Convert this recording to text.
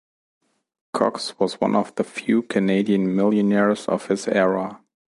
Cox was one of the few Canadian millionaires of his era.